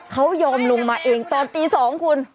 เขายอมลงมาเองตอนตี๒คุณ